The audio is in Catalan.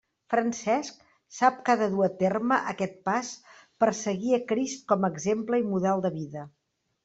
Francesc sap que ha de dur a terme aquest pas per seguir a Crist com a exemple i model de vida.